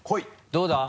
どうだ？